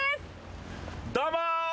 どうも！